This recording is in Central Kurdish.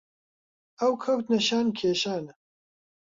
ئەو کەوتنە شان کێشانە